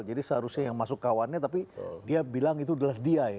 seharusnya yang masuk kawannya tapi dia bilang itu adalah dia ya